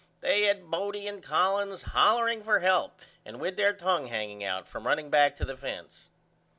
They had Bodie and Collins hollering for help and with there tongue hanging out from running back to the fence.